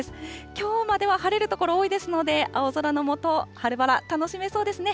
きょうまでは晴れる所多いですので、青空の下、春バラ楽しめそうですね。